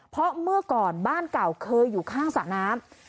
เพราะเมื่อก่อนบ้านเก่าเคยอยู่ข้างสระน้ำ